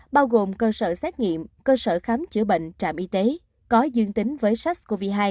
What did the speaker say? bao gồm cơ sở xét nghiệm cơ sở khám chữa bệnh trạm y tế có dương tính với sars cov hai